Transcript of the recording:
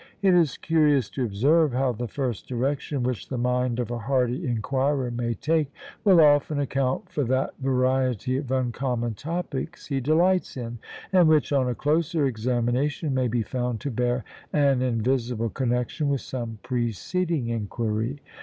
It is curious to observe how the first direction which the mind of a hardy inquirer may take, will often account for that variety of uncommon topics he delights in, and which, on a closer examination, may be found to bear an invisible connexion with some preceding inquiry.